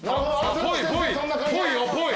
ぽいぽい。